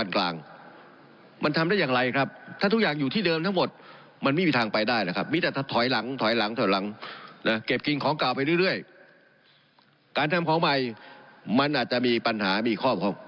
การกินของเก่าไปเรื่อยการทำของใหม่มันอาจจะมีปัญหามีข้อมูล